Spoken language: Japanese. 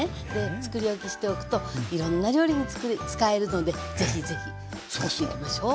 つくり置きしておくといろんな料理に使えるので是非是非つくっていきましょう。